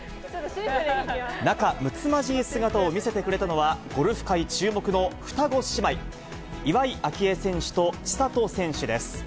仲むつまじい姿を見せてくれたのは、ゴルフ界注目の双子姉妹、岩井明愛選手と、千怜選手です。